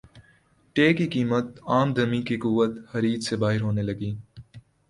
ٹےکی قیمت عام دمی کی قوت خرید سے باہر ہونے لگی